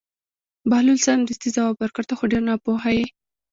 بهلول سمدستي ځواب ورکړ: ته خو ډېر ناپوهه یې.